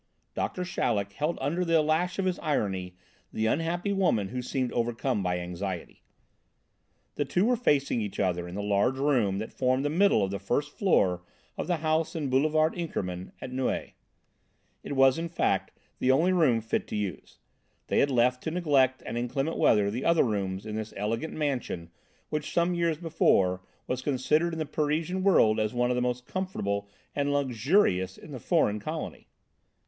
Doctor Chaleck held under the lash of his irony the unhappy woman who seemed overcome by anxiety. The two were facing each other in the large room that formed the middle of the first floor of the house in Boulevard Inkermann at Neuilly. It was, in fact, the only room fit to use: they had left to neglect and inclement weather the other rooms in the elegant mansion which some years before was considered in the Parisian world as one of the most comfortable and luxurious in the foreign colony.